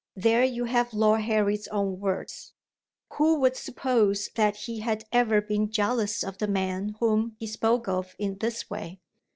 There you have Lord Harry's own words! Who would suppose that he had ever been jealous of the man whom he spoke of in this way?